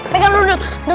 pegang dulu dodot